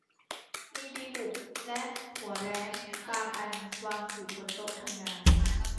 มีดีบุกและหัวแร้งบางอันวางอยู่บนโต๊ะทำงาน